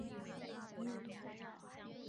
机身备有赤红色及碳黑色供选择。